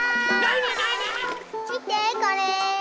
みてこれ！